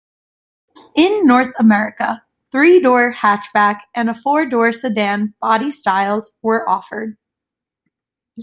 In North America, three-door hatchback and a four-door sedan body styles were offered.